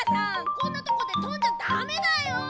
こんなとこでとんじゃダメだよ！